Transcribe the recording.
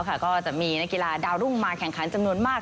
ก็จะมีนักกีฬาดาวรุ่งมาแข่งขันจำนวนมาก